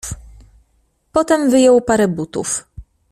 "Potem wyjął parę butów."